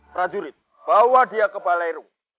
prajurit bawa dia ke balai rung